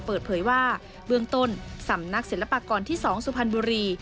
เปิดเผยว่าเบื้องต้นสำนักศิลปากรที่๒สุพรรณบุรี